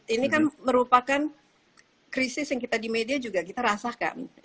ini kan merupakan krisis yang kita di media juga kita rasakan